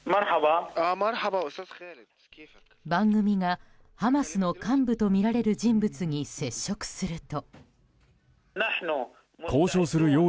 番組がハマスの幹部とみられる人物に接触すると。